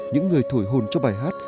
những người thổi hồn cho bài hát